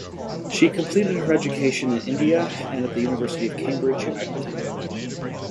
She completed her education in India and at the University of Cambridge, United Kingdom.